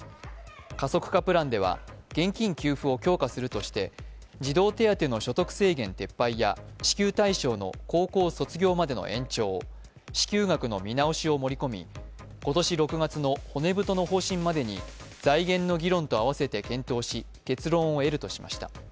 加速化プランでは現金給付を強化するとして、児童手当の所得制限撤廃や支給対象の高校卒業までの延長、支給額の見直しを盛り込み、今年６月の骨太の方針までに財源の議論と合わせて検討し結論を得るとしました。